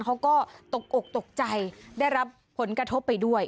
เขาก็ตกอกตกใจได้รับผลกระทบไปด้วย